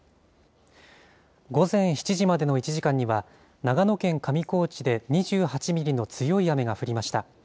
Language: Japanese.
午前７時までの１時間には、長野県上高地で２８ミリの強い雨が降りました。